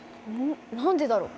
何でだろう？